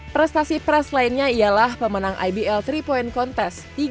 prestasi prast lainnya ialah pemenang ibl tiga point contest